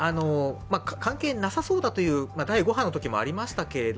関係なさそうだという、第５波のときもありましたけど、